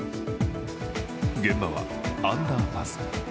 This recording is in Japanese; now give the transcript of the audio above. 現場はアンダーパス。